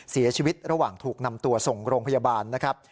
เสียชีวิตระหว่างถูกนำตัวส่งโรงพยาบาลนะครับ